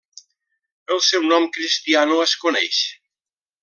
El seu nom cristià no es coneix.